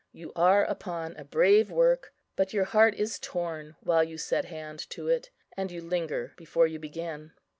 You are upon a brave work, but your heart is torn while you set hand to it, and you linger before you begin.